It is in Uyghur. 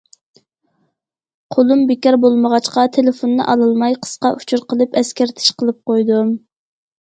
قولۇم بىكار بولمىغاچقا تېلېفوننى ئالالماي، قىسقا ئۇچۇر قىلىپ ئەسكەرتىش قىلىپ قويدۇم.